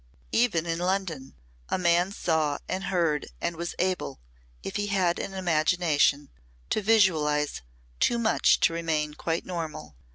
Even in London a man saw and heard and was able, if he had an imagination, to visualise too much to remain quite normal.